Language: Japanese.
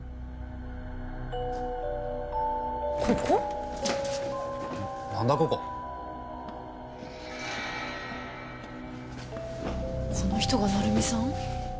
この人が鳴海さん？